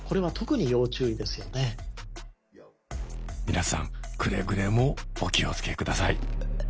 皆さんくれぐれもお気をつけください。